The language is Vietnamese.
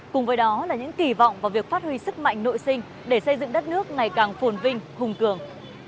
cùng với đó là những kỳ vọng vào việc phát huy sức mạnh nội sinh để xây dựng đất nước ngày càng phồn vinh hùng cường